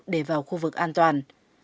để vào khu vực an toàn